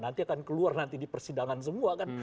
nanti akan keluar nanti di persidangan semua kan